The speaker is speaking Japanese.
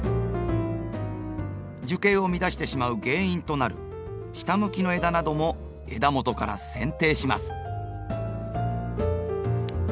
樹形を乱してしまう原因となる下向きの枝なども枝元からせん定します。